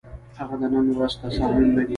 هغه د نن ورځ تصامیم نه دي،